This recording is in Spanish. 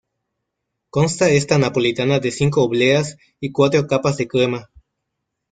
Consta esta napolitana de cinco obleas y cuatro capas de crema.